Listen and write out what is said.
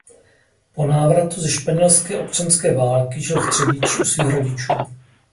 Po návratu ze španělské občanské války žil v Třebíči u svých rodičů.